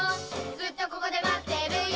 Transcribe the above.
ずっとここで待ってるよ」